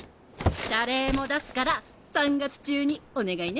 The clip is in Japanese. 謝礼も出すから３月中にお願いね。